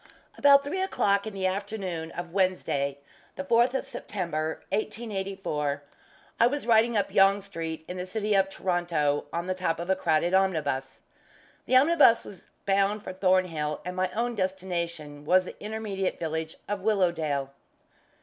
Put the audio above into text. About three o'clock in the afternoon of Wednesday, the fourth of September, 1884, I was riding up Yonge Street, in the city of Toronto, on the top of a crowded omnibus. The omnibus was bound for Thornhill, and my own destination was the intermediate village of Willowdale.